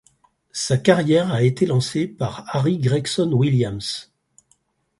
Sa carrière a été lancée par Harry Gregson-Williams.